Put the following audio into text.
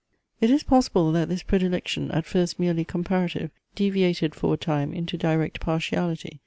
It is possible, that this predilection, at first merely comparative, deviated for a time into direct partiality.